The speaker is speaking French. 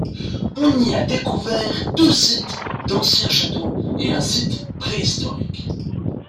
On y a découvert deux sites d'anciens château et un site préhistorique.